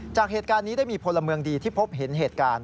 จากเหตุการณ์นี้ได้มีพลเมืองดีที่พบเห็นเหตุการณ์